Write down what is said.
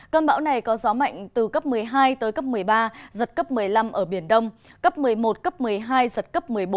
cơn bão này có gió mạnh từ cấp một mươi hai tới cấp một mươi ba giật cấp một mươi năm ở biển đông cấp một mươi một cấp một mươi hai giật cấp một mươi bốn